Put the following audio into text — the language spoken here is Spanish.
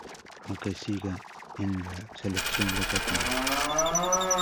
Aunque sigue en la selección de Guatemala.